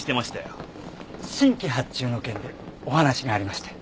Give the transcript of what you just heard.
新規発注の件でお話がありまして。